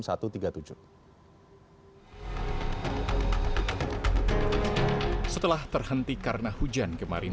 setelah terhenti karena hujan kemarin